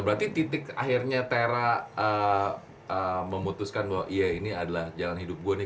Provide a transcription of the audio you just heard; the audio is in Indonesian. berarti titik akhirnya tera memutuskan bahwa iya ini adalah jalan hidup gue nih